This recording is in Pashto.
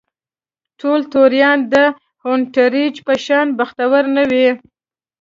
ټول توریان د هونټریج په شان بختور نه وو.